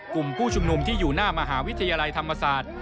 กลุ่มผู้ชุมนุมที่อยู่หน้ามหาวิทยาลัยธรรมศาสตร์